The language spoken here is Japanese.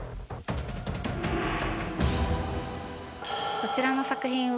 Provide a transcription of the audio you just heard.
こちらの作品は。